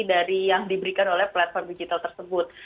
dari yang diberikan oleh platform digital tersebut